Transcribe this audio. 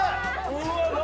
うわっ何？